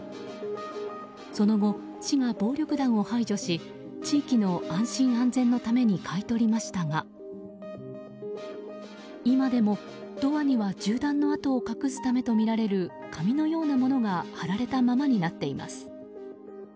その後、市が暴力団を排除し地域の安心・安全のために買い取りましたが今でも、ドアには銃弾の跡を隠すためとみられる紙のようなものが貼られたままになっています。